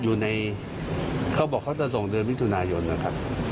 อยู่ในเขาบอกเขาจะส่งเดือนมิถุนายนนะครับ